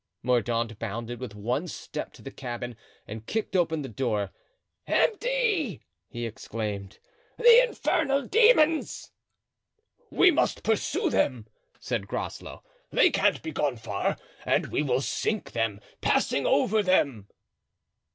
Mordaunt bounded with one step to the cabin and kicked open the door. "Empty!" he exclaimed; "the infernal demons!" "We must pursue them," said Groslow, "they can't be gone far, and we will sink them, passing over them."